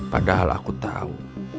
padahal aku tahu